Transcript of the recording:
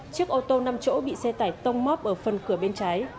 chiếc ô tô năm chỗ bị xe tải tông móc ở phần cửa bên trái